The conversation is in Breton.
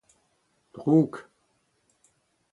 drouk